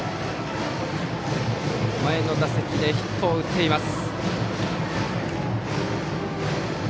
前の打席でヒットを打っています。